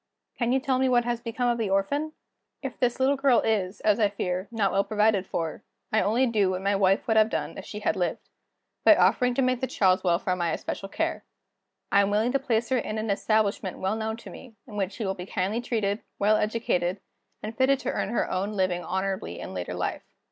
Can you tell me what has become of the orphan? If this little girl is, as I fear, not well provided for, I only do what my wife would have done if she had lived, by offering to make the child's welfare my especial care. I am willing to place her in an establishment well known to me, in which she will be kindly treated, well educated, and fitted to earn her own living honorably in later life.